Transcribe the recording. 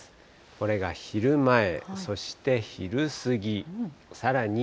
これが昼前、そして昼過ぎ。